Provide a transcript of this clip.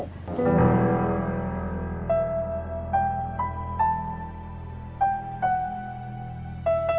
kamu lagi gak masuk m innovasi czasu